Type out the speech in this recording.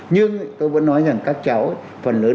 nhưng tôi vẫn nói rằng các cháu phần lớn